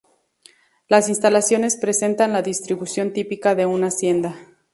Las instalaciones presentan la distribución típica de una hacienda.